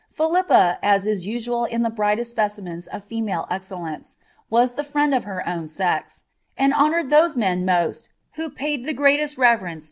Philippa, as is usual in the brightest specimens of female excellence, vu the friend of her own sex, and honoured those men most who paid I "iCl